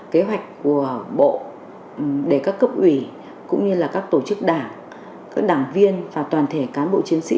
kế hoạch của bộ để các cấp ủy cũng như là các tổ chức đảng các đảng viên và toàn thể cán bộ chiến sĩ